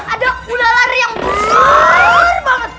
ada gula lari yang besar banget